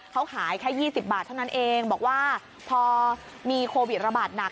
เขาขายแค่๒๐บาทเท่านั้นเองบอกว่าพอมีโควิดระบาดหนัก